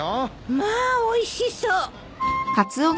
まおいしそう。